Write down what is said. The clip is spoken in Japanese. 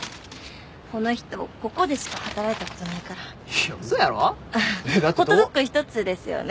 この人ここでしか働いたことないからいやウソやろ？だってホットドッグ１つですよね